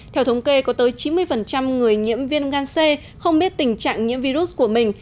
theo thống kê có tới chín mươi người nhiễm viêm gan c không biết tình trạng nhiễm virus của mình